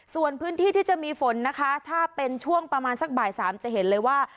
ส่วนพื้นที่ที่จะมีฝนนะคะถ้าเป็นช่วงประมาณสักบ่ายสามจะเห็นเลยว่า